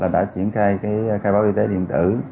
đã triển khai khai báo y tế điện tử